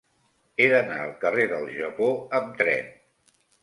He d'anar al carrer del Japó amb tren.